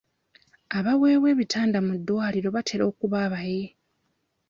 Abaweebwa ebitanda mu ddwaliro batera kuba bayi.